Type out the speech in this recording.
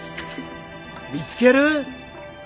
見つける？